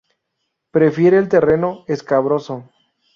Prefiere el terreno escabroso.